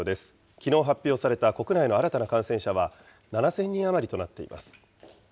きのう発表された国内の新たな感染者は、７０００人余りとなっています。